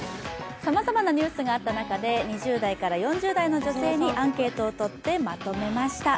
さまざまなニュースがあった中で２０代から４０代の女性にアンケートをとってまとめました。